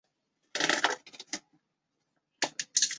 新疆铁角蕨为铁角蕨科铁角蕨属下的一个种。